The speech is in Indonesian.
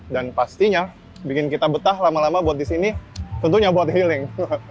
dan pastinya bikin kita betah lama lama buat di sini tentunya buat healing